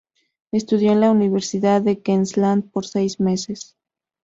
Estudió en la Universidad de Queensland por seis meses.